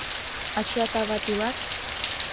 Ачат-ават илат?